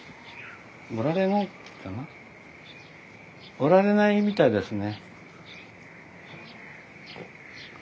おられないみたいですね。